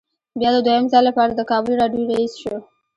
بیا د دویم ځل لپاره د کابل راډیو رییس شو.